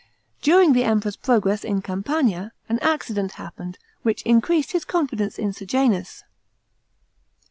During the Emperor's progress in Campania, an accident happened, which increased his confidence in Sejanus.